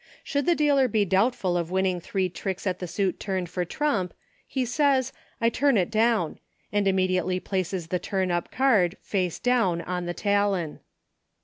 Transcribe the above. Should the dealer be doubtful of winning three tricks at the suit turned for trump, he says, "I turn it down," and immediately places the turn up card, face down, on the talon.